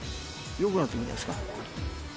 よくなってくるんじゃないですか。